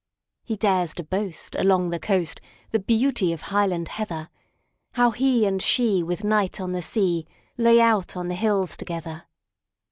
He dares to boast, along the coast, The beauty of Highland Heather,—How he and she, with night on the sea, Lay out on the hills together.